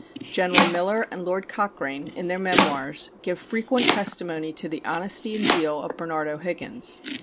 General Miller and Lord Cochrane, in their Memoirs, give frequent testimony to the honesty and zeal of Bernard O'Higgins.